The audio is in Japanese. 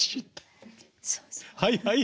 はいはい！